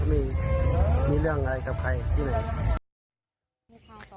ไม่มีเรื่องอะไรกับใครที่ไหน